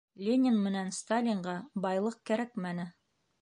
Ленин менән Сталинға байлыҡ кәрәкмәне.